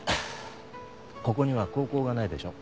ここには高校がないでしょ。